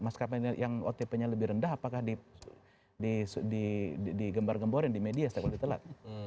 maskapai yang otp nya lebih rendah apakah digembar gemborin di media setelah ditelat